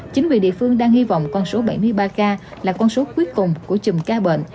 chính vì địa phương đang hy vọng con số bảy mươi ba ca là con số cuối cùng của chùm ca bệnh